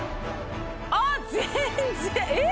あっ全然えっ？